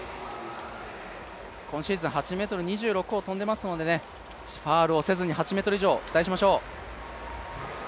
今シーズン８ｍ２６を跳んでいますので、ファウルをせず８ｍ以上、期待しましょう。